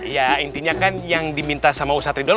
ya intinya kan yang diminta sama ustadz ridho